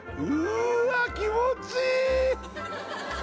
うわ気持ちいい！